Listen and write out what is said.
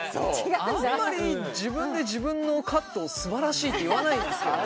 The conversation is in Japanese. あんまり自分で自分のカットを素晴らしいって言わないんですけどね。